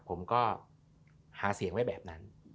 ผมก็หาเสียงไว้แบบนั้น